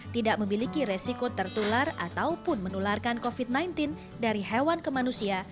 tidak memiliki resiko tertular ataupun menularkan covid sembilan belas dari hewan ke manusia